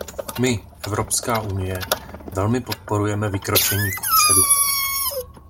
My, Evropská unie, velmi podporujeme vykročení kupředu.